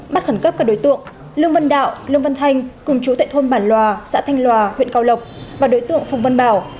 bắt khẩn cấp các đối tượng lương vân đạo lương vân thanh cùng chú tệ thôn bản lòa xã thanh lòa huyện cao lộc và đối tượng phùng vân bảo